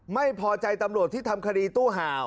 ไม่พอใจตำรวจที่ทำคดีตู้ห่าว